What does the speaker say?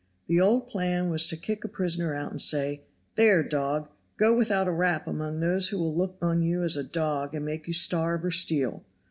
The old plan was to kick a prisoner out and say: "There, dog! go without a rap among those who will look on you as a dog and make you starve or steal.